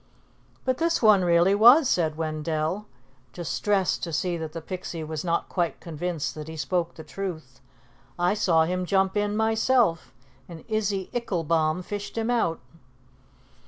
"But this one really was," said Wendell, distressed to see that the Pixie was not quite convinced that he spoke the truth. "I saw him jump in myself, and Izzy Icklebaum fished him out."